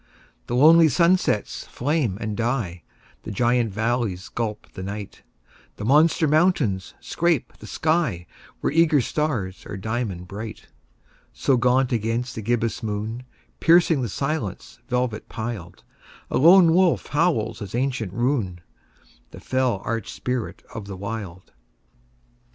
The lonely sunsets flame and die; The giant valleys gulp the night; The monster mountains scrape the sky, Where eager stars are diamond bright. So gaunt against the gibbous moon, Piercing the silence velvet piled, A lone wolf howls his ancient rune— The fell arch spirit of the Wild.